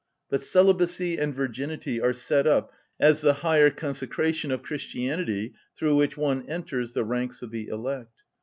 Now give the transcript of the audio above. But celibacy and virginity are set up as the higher consecration of Christianity through which one enters the ranks of the elect.